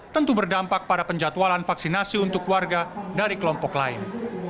tentu berdampak pada penjatualan vaksinasi untuk warga dari kelompok lain